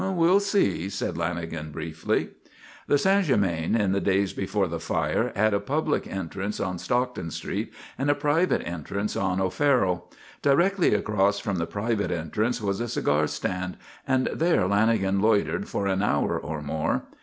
"We'll see," said Lanagan briefly. The St. Germain, in the days before the fire, had a public entrance on Stockton street and a private entrance on O'Farrell. Directly across from the private entrance was a cigar stand, and there Lanagan loitered for an hour or more.